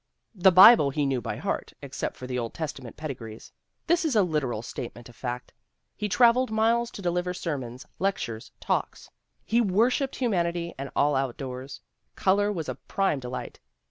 The Bible he knew by heart, except for the Old Testament pedigrees. This is a literal statement of fact. He traveled miles to deliver sermons, lec tures, talks. He worshiped humanity and all out doors. Color was a prime delight.